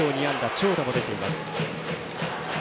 長打も出ています。